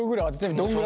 どんぐらい？